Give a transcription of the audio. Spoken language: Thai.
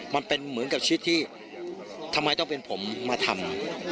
มันเหมือนกับชิดที่ก็ทำไมต้องเป็นผมมาทำ